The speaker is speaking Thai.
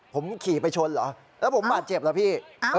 ผมขี่ไปชนเหรอแล้วผมบาดเจ็บเหรอพี่